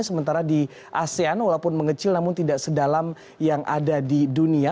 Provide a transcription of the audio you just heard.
sementara di asean walaupun mengecil namun tidak sedalam yang ada di dunia